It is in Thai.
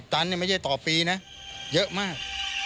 ตันไม่ใช่ต่อปีนะเยอะมาก